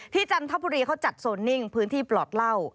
จันทบุรีเขาจัดโซนนิ่งพื้นที่ปลอดเหล้า